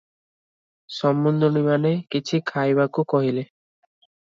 "ସମୁନ୍ଧୁଣୀମାନେ କିଛି ଖାଇବାକୁ କହିଲେ ।